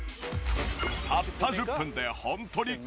たった１０分でホントに変わる？